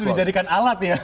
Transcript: itu dijadikan alat ya